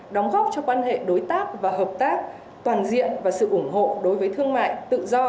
đóng góp cho quan hệ đối tác và hợp tác toàn diện và sự ủng hộ đối với thương mại tự do